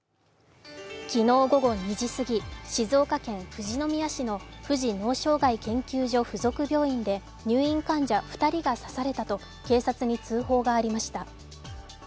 昨日午後２時すぎ、静岡県富士宮市の富士脳障害研究所附属病院で入院患者２人が刺されたと警察に通報がありました。